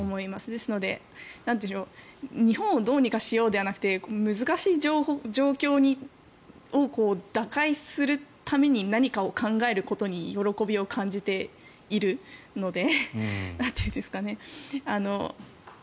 ですので日本をどうにかしようではなくて難しい状況を打開するために何かを考えることに喜びを感じているので。